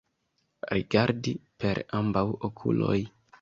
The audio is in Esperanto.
Rigardi per ambaŭ okuloj.